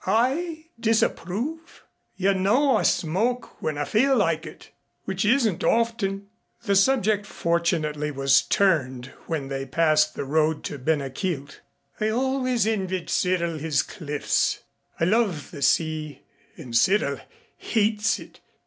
I disapprove! You know I smoke when I feel like it which isn't often." The subject fortunately was turned when they passed the road to Ben a Chielt. "I always envied Cyril his cliffs. I love the sea and Cyril hates it.